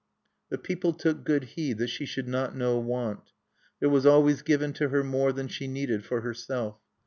The people took good heed that she should not know want. There was always given to her more than she needed for herself.